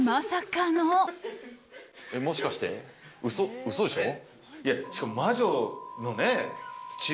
もしかして嘘でしょ。